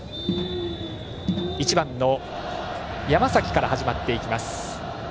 １番の山崎から始まっていきます。